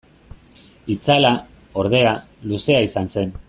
Itzala, ordea, luzea izan zen.